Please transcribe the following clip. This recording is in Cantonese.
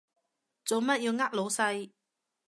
做乜要呃老細？